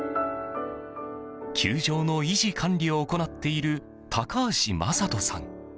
球場の維持・管理を行っている高橋政人さん。